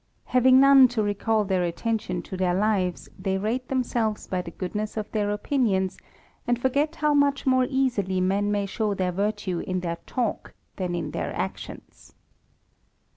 Having none to recall their attention to their lives, they rate themselves THE RAMBLER, 55 by the goodness of their opinions, and forget how much more easily men may show their virtue in their talk than in their actions.